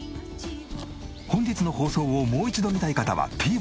本日の放送をもう一度見たい方はＴＶｅｒで。